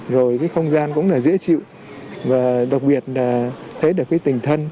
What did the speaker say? rồi cái không gian cũng là dễ chịu và đặc biệt là thấy được cái tình thân